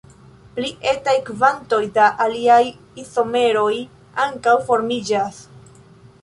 Pli etaj kvantoj da aliaj izomeroj ankaŭ formiĝas.